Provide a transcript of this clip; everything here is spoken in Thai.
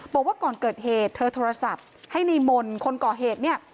บอกว่าก่อนเกิดเหตุเธอโทรศัพท์ให้ในมนต์คนก่อเหตุเนี่ย